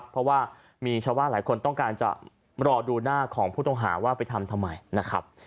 เพราะว่ามีชาวบ้านหลายคนต้องการจะรอดูหน้าของผู้ต้องหาว่าไปทำทำไมนะครับ